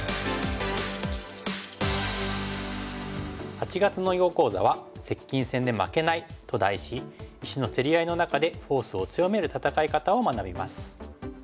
８月の囲碁講座は「接近戦で負けない」と題し石の競り合いの中でフォースを強める戦い方を学びます。